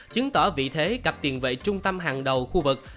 chứng tỏ vị thế cặp tiền vệ trung tâm hàng đầu khu vực